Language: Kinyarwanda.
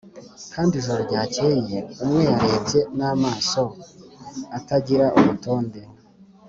kandi ,, ijoro ryakeye, umwe yarebye n'amaso atagira urutonde